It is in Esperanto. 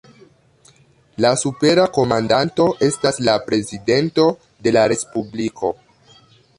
La supera komandanto estas la prezidento de la Respubliko.